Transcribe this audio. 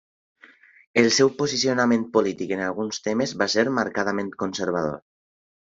El seu posicionament polític en alguns temes va ser marcadament conservador.